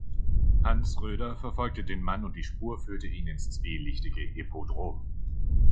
Hans Röder verfolgt den Mann und die Spur führt ihn ins zwielichtige "Hippodrom".